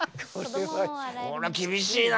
それは厳しいな。